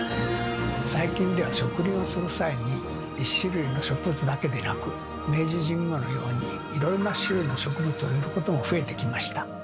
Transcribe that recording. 最近では植林をする際に１種類の植物だけでなく明治神宮のようにいろいろな種類の植物を植えることも増えてきました。